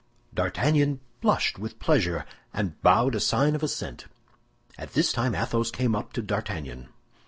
D'Artagnan blushed with pleasure, and bowed a sign of assent. At this time Athos came up to D'Artagnan.